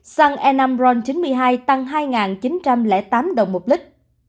xăng e năm ron chín mươi hai tăng hai chín trăm linh tám đồng một lít